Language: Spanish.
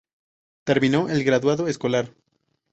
Terminó el Graduado escolar.